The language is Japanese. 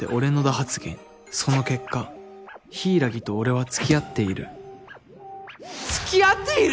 発言その結果柊と俺は付き合っている付き合っている⁉